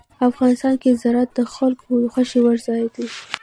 افغانستان کې زراعت د خلکو د خوښې وړ ځای دی.